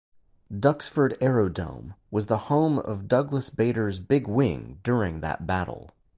Duxford Aerodrome was the home of Douglas Bader's Big Wing during that battle.